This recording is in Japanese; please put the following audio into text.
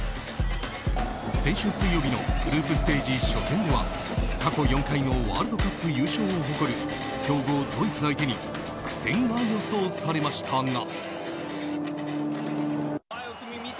先週水曜日のグループステージ初戦では過去４回のワールドカップ優勝を誇る強豪ドイツ相手に苦戦が予想されましたが。